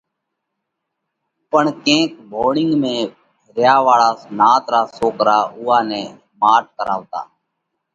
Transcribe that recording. پڻ ڪينڪ ڀورڍنڳ ۾ ريا واۯا نات را سوڪرا اُوئا نئہ ماٺ ڪراوَتا۔